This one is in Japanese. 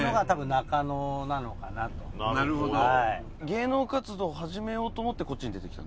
芸能活動を始めようと思ってこっちに出てきたんですか？